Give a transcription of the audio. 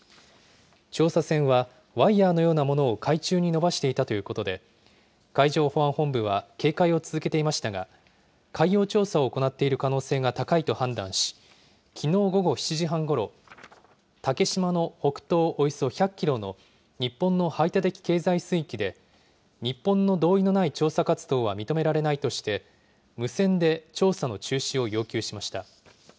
調査船はワイヤーのようなものを海中にのばしていたということで、海上保安本部は警戒を続けていましたが、海洋調査を行っている可能性が高いと判断し、きのう午後７時半ごろ、竹島の北東およそ１００キロの日本の排他的経済水域で、日本の同意のない調査活動は認められないとして、無線で調査の中止を要求しました。